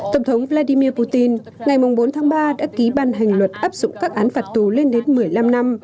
tổng thống vladimir putin ngày bốn tháng ba đã ký ban hành luật áp dụng các án phạt tù lên đến một mươi năm năm